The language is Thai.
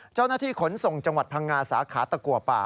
เจ้าหน้าที่ขนส่งจังหวัดพังงาสาขาตะกัวป่า